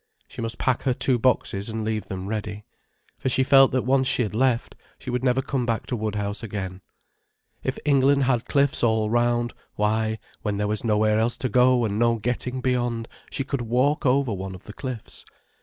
She must pack her two boxes, and leave them ready. For she felt that once she had left, she could never come back to Woodhouse again. If England had cliffs all round—why, when there was nowhere else to go and no getting beyond, she could walk over one of the cliffs.